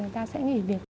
người ta sẽ nghỉ việc